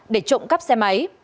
để trộm cắp xe máy